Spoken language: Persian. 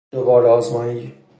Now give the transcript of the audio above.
دوباره آزمایی